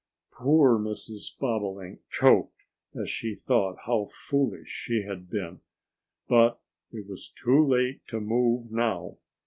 Poor Mrs. Bobolink choked as she thought how foolish she had been. But it was too late to move now.